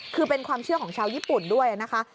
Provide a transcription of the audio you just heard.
คือเป็นความเชื่อของชาวญี่ปุ่นด้วยนะคะ